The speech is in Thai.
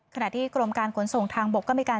ขณะที่กรมการขนส่งทางบกก็มีการ